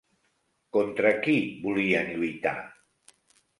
Contra qui volien lluitar?